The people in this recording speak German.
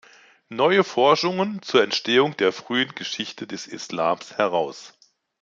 Neue Forschungen zur Entstehung der frühen Geschichte des Islam“ heraus.